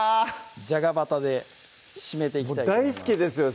じゃがバタで締めていきたいと大好きですよ